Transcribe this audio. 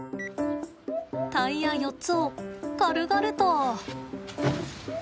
タイヤ４つを軽々と。